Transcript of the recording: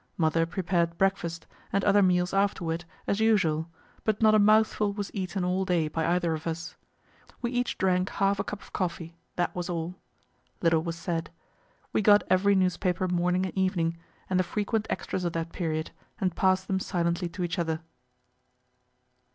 Mother prepared breakfast and other meals afterward as usual; but not a mouthful was eaten all day by either of us. We each drank half a cup of coffee; that was all. Little was said. We got every newspaper morning and evening, and the frequent extras of that period, and pass'd them silently to each other.)